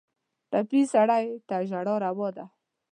ټپي سړی ته ژړا روا ده.